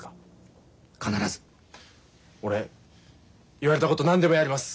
俺言われたこと何でもやります。